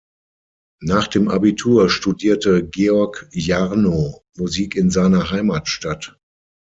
Nach dem Abitur studierte Georg Jarno Musik in seiner Heimatstadt.